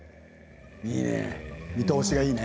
いいね。